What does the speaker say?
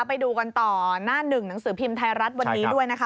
ไปดูกันต่อหน้าหนึ่งหนังสือพิมพ์ไทยรัฐวันนี้ด้วยนะคะ